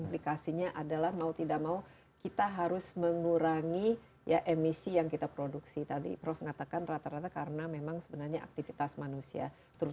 mitigasi kan harus sebagai part of the global society